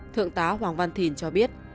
thượng tá hoàng văn thìn cho biết